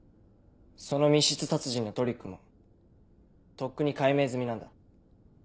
その密室殺人のトリックもとっくに解明済みなんだ。